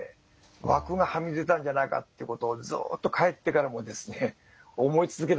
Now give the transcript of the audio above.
枠がはみ出たんじゃないかってことをずっと帰ってからもですね思い続けるわけですよね。